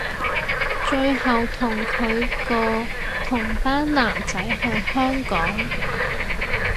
最後距同個同班男仔去香港